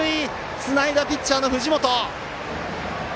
つないだピッチャーの藤本。